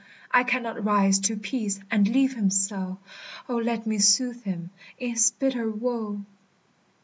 I cannot rise to peace and leave him so. O, let me soothe him in his bitter woe!"